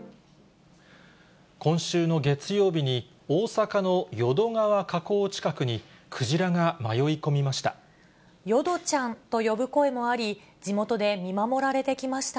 今週の月曜日に、大阪の淀川河口近くにクジラが迷い込みました。